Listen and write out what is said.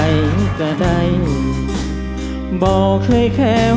สมาธิพร้อมร้องเพลง